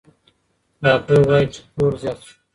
راپور وايي چې پلور زیات شو.